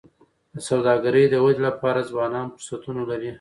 د سوداګری د ودي لپاره ځوانان فرصتونه لري.